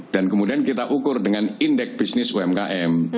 kemudian kita ukur dengan indeks bisnis umkm